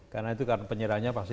karena itu kan penyerahnya pasti